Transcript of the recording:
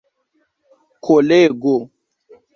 kolego